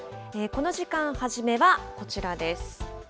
この時間、初めは、こちらです。